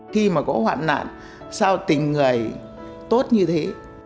khi mà có hoạn nạn sao tình người tốt như thế